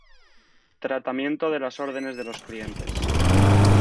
Tratamiento de las órdenes de los clientes.